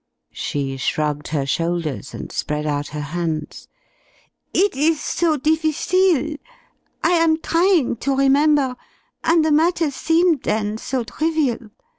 She shrugged her shoulders and spread out her hands. "It is so difficile. I am trying to remember, and the matter seemed then so trivial!